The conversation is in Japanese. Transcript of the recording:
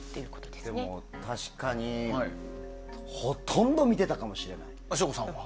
でも、確かにほとんど見てたかもしれない。